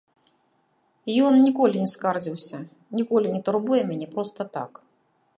Ён ніколі не скардзіўся, ніколі не турбуе мяне проста так.